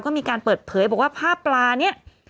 ก็มีการเปิดเผยบอกว่าผ้าปลานี้